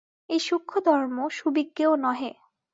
এই সূক্ষ্ম ধর্ম সুবিজ্ঞেয় নহে।